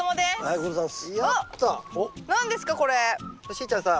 しーちゃんさ